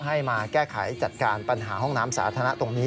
ให้มาแก้ไขจัดการปัญหาห้องน้ำสาธารณะตรงนี้